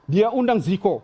dia undang ziko